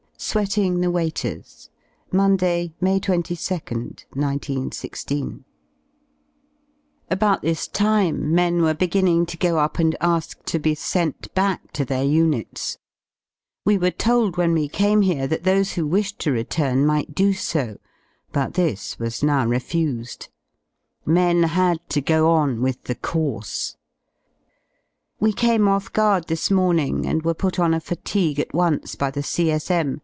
SWEATING THE WAITERS Monday y May 22nd, 1916. About this time men were beginning to go up and ask to be sent back to their units. We were told when we came here that those who wished to return might do so, but this was now refused. "Men had to go on with the course." We came off guard this morning and were put on a fatigue at once by the C.S.M.